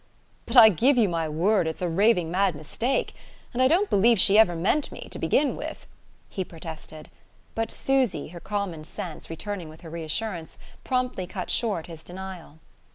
"But I give you my word it's a raving mad mistake! And I don't believe she ever meant me, to begin with " he protested; but Susy, her common sense returning with her reassurance, promptly cut short his denial.